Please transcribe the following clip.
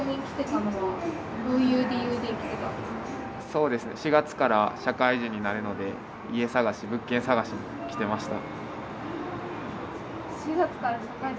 そうですね４月から社会人になるので家探し物件探しに来てました。